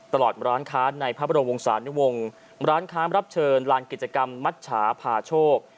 ร้านค้าในพระบรมวงศานุวงศ์ร้านค้ารับเชิญลานกิจกรรมมัชชาพาโชค